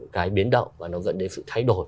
cái biến động và nó dẫn đến sự thay đổi